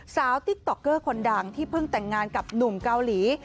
ติ๊กต๊อกเกอร์คนดังที่เพิ่งแต่งงานกับหนุ่มเกาหลี